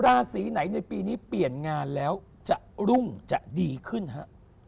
ราศีไหนในปีนี้เปลี่ยนงานแล้วจะรุ่งจะดีขึ้นฮะ